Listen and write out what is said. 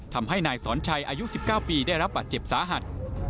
ทำให้นายสอนชัยอายุ๑๙ปีได้รับบาดเจ็บสาหัส